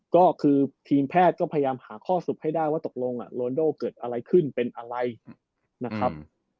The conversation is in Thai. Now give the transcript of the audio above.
ก็คือทีมแพทย์ก็พยายามหาข้อสรุปให้ได้ว่าตกลงโรนโดเกิดอะไรขึ้นเป็นอะไรนะครับ